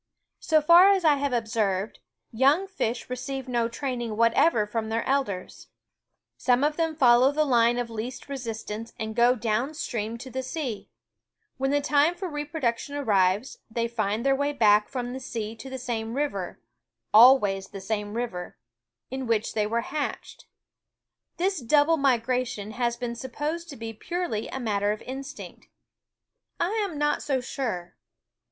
So far as I have observed, young fish receive no teaching whatever from their elders. Some of them follow the line of THE WOODS O least resistance and go down stream to the sea. When the time for reproduction ^~,,,.,. u i r Onffiewby arrives they find their way back from the fo School sea to the same river always the same river in which they were hatched. This double migration has been supposed to be purely a matter of instinct. I am not so sure.